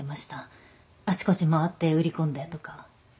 あちこち回って売り込んでとか。